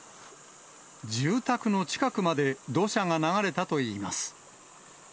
住宅の近くまで土砂が流れたといいます。